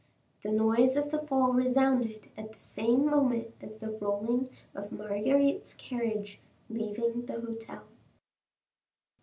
The noise of the fall resounded at the same moment as the rolling of Marguerite's carriage leaving the hotel.